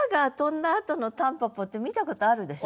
あとの蒲公英って見たことあるでしょ？